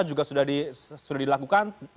juga sudah dilakukan